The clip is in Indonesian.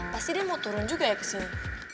pasti dia mau turun juga ya kesini